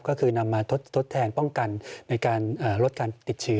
ก็คือนำมาทดแทนป้องกันในการลดการติดเชื้อ